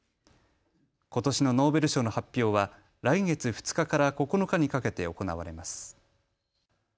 ことしのノーベル賞の発表は来月２日から９日にかけて行われます。